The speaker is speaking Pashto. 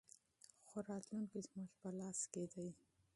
خو راتلونکی زموږ په لاس کې دی.